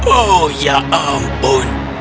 oh ya ampun